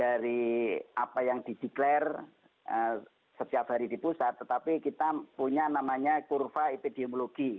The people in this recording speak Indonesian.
dari apa yang dideklarasi setiap hari di pusat tetapi kita punya namanya kurva epidemiologi